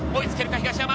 東山。